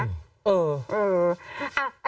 เออเออ